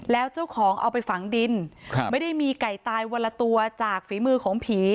แล้วเจ้าของเอาไปฝังดินไม่ได้มีไก่ตายวันละตัวจากฝีมือของผี